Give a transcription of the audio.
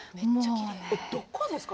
どこですか？